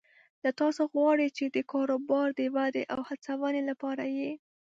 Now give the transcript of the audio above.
له تاسو غواړي چې د کاروبار د ودې او هڅونې لپاره یې